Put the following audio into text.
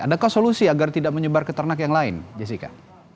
adakah solusi agar tidak menyebar ke ternak yang lain jessica